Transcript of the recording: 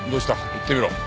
言ってみろ。